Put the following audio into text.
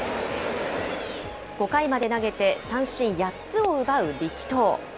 ５回まで投げて三振８つを奪う力投。